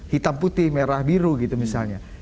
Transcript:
hitam putih merah biru gitu misalnya